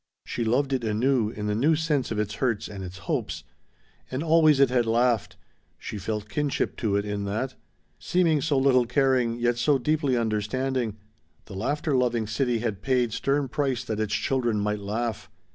She loved it anew in the new sense of its hurts and its hopes. And always it had laughed. She felt kinship to it in that. Seeming so little caring, yet so deeply understanding. The laughter loving city had paid stern price that its children might laugh.